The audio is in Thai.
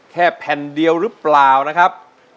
แผ่นเดียวหรือเปล่านะครับ